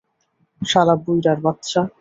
শালা বুইড়ার বাচ্চা!